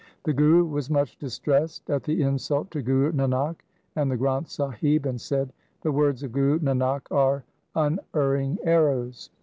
The Guru was much distressed at the insult to Guru Nanak and the Granth Sahib, and said, ' The words of Guru Nanak are unerring arrows.